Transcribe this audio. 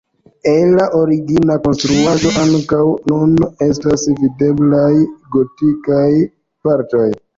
Ela origina konstruaĵo ankaŭ nun estas videblaj gotikaj partoj.